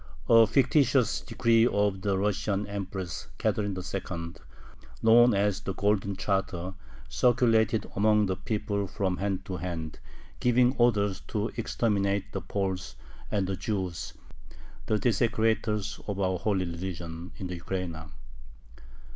A fictitious decree of the Russian Empress Catherine II., known as "the golden Charter," circulated among the people from hand to hand, giving orders "to exterminate the Poles and the Jews, the desecrators of our holy religion," in the Ukraina.